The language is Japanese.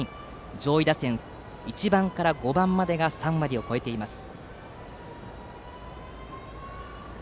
上位打線１番から５番までが３割を超えています。